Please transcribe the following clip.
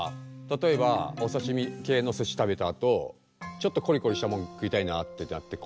たとえばおさしみけいのすし食べたあとちょっとコリコリしたもん食いたいなってなって。